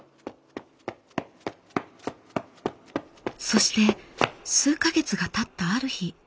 そして数か月がたったある日。